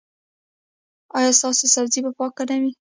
ایا ستاسو سبزي به پاکه نه وي؟